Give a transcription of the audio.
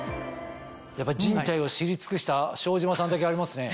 人体を知り尽くした庄島さんだけありますね。